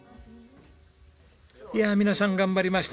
いや皆さん頑張りました。